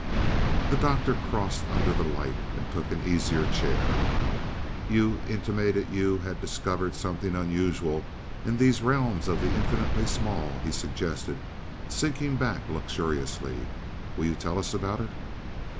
The Doctor crossed under the light and took an easier chair. "You intimated you had discovered something unusual in these realms of the infinitely small," he suggested, sinking back luxuriously. "Will you tell us about it?"